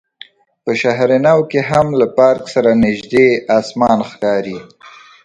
په شهر نو کې هم له پارک سره نژدې اسمان ښکاري.